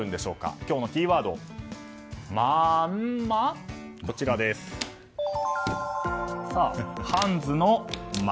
今日のキーワード、マンマ。